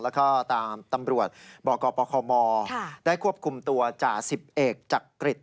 แล้วก็ตามตำรวจบกปคมได้ควบคุมตัวจ่าสิบเอกจักริจ